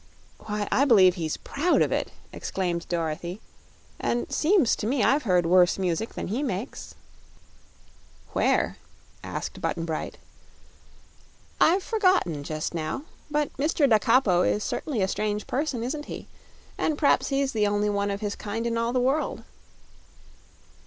"Why, I b'lieve he's proud of it," exclaimed Dorothy; "and seems to me I've heard worse music than he makes." "Where?" asked Button Bright. "I've forgotten, just now. But Mr. Da Capo is certainly a strange person isn't he? and p'r'aps he's the only one of his kind in all the world."